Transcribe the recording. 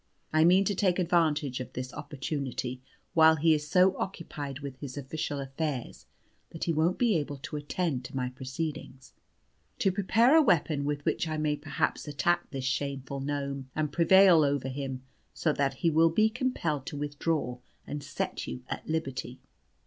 I mean to take advantage of this opportunity, while he is so occupied with his official affairs that he won't be able to attend to my proceedings, to prepare a weapon with which I may perhaps attack this shameful gnome, and prevail over him, so that he will be compelled to withdraw, and set you at liberty.